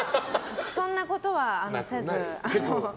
そんなことはせず。